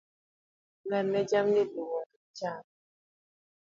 Ng'adne jamni lum mondo gicham.